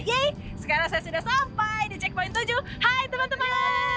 yeay sekarang saya sudah sampai di checkpoint tujuh hai teman teman